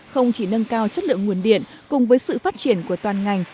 không chỉ nâng cao chất lượng nguồn điện cùng với sự phát triển của toàn ngành